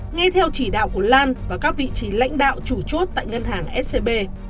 ngay theo chỉ đạo của lan và các vị trí lãnh đạo chủ chốt tại ngân hàng scb